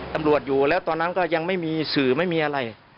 ตำรวจอยู่แล้วตอนนั้นก็ยังไม่มีสื่อไม่มีอะไร